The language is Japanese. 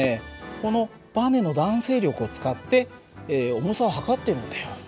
このばねの弾性力を使って重さを測っているんだよ。